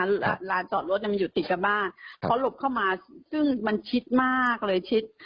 ลานจอดรถมันอยู่ติดกับบ้านเขาหลบเข้ามาซึ่งมันชิดมากเลยชิด